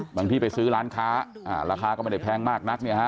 บางที่ไปซื้อร้านค้าราคาก็ไม่ได้แพงมากนัก